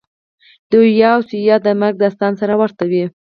د یویا او ثویا د مرګ داستان سره ورته وي.